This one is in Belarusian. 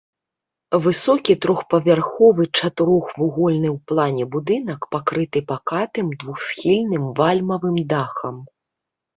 Высокі трохпавярховы чатырохвугольны ў плане будынак пакрыты пакатым двухсхільным вальмавым дахам.